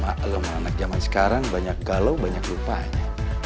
maklem anak jaman sekarang banyak galau banyak lupa aja